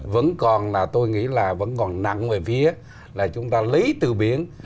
vẫn còn là tôi nghĩ là vẫn còn nặng về phía là chúng ta lấy từ biển